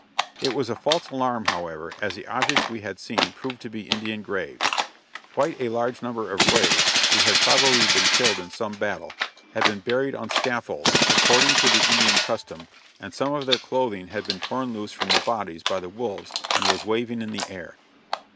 It was a false alarm, however, as the objects we had seen proved to be Indian graves. Quite a large number of braves who had probably been killed in some battle, had been buried on scaffolds, according to the Indian custom, and some of their clothing had been torn loose from the bodies by the wolves and was waving in the air.